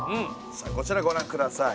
こちらご覧下さい。